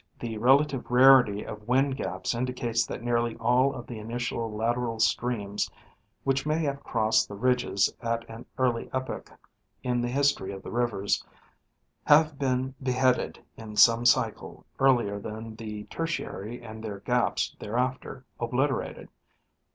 The relative rarity of wind gaps indicates that nearly all of the initial lateral streams, which may have crossed the ridges at an early epoch in the history of the rivers, have been beheaded in some cycle earlier than the Tertiary and their gaps thereafter obliterated.